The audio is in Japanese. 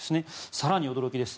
更に驚きです。